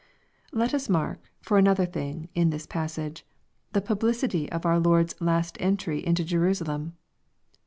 Let us mark, for another thing, in this passage, the 'publicity of our Lord's last entry into Jerusalem.